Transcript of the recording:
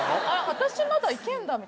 私まだいけるんだみたいな。